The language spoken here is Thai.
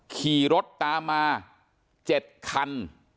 ขี่รถตามมา๗คัน